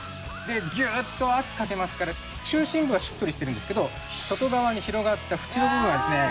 ギューッと圧かけますから中心部はしっとりしてるんですけど外側に広がった縁の部分はですね